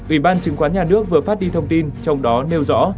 ủy ban chứng khoán nhà nước vừa phát đi thông tin trong đó nêu rõ